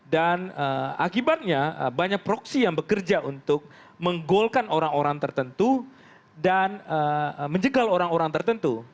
dan akibatnya banyak proksi yang bekerja untuk menggolkan orang orang tertentu dan menjegal orang orang tertentu